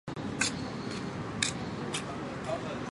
是由远月内评价最高的十名学生所组成的委员会。